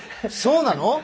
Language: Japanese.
そうなの！？